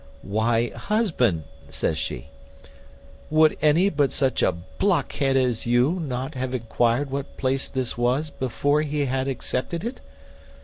"Why, husband," says she, "would any but such a blockhead as you not have enquired what place this was before he had accepted it?